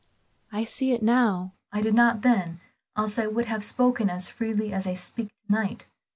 "I see it now, I did not then, else I would have spoken as freely as I speak to night.